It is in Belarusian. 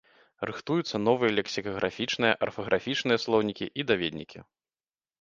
Рыхтуюцца новыя лексікаграфічныя, арфаграфічныя слоўнікі і даведнікі.